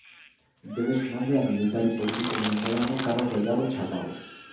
Debe su nombre al militar y político venezolano Carlos Delgado Chalbaud.